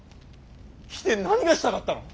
貴殿何がしたかったの？